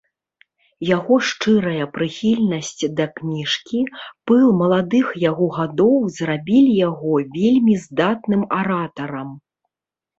Яго шчырая прыхільнасць да кніжкі, пыл маладых яго гадоў зрабілі яго вельмі здатным аратарам.